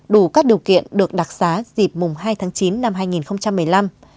đủ các điều kiện được đặc xá dịp hai tháng chín năm hai nghìn một mươi năm